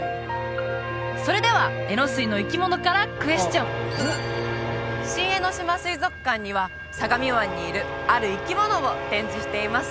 それではえのすいの生き物からクエスチョン新江ノ島水族館には相模湾にいるある生き物を展示しています